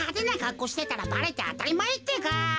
こうしてたらばれてあたりまえってか。